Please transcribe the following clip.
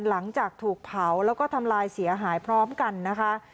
หลังจากถูกเผาแล้วก็ทำลายเสียหายพร้อมกันนะคะ